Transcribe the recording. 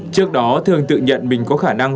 trước đó thường tự nhận mình có khả năng